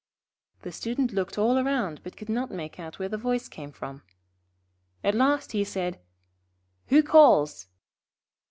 The Student looked all round, but could not make out where the voice came from. At last he said: 'Who calls?'